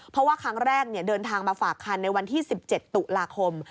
เพราะว่าครั้งแรกเดินทางมาฝากคันในวันที่๑๗ตุลาคม